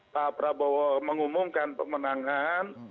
pak prabowo mengumumkan pemenangan